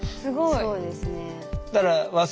そうですね。